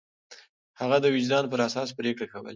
هغه د وجدان پر اساس پرېکړې کولې.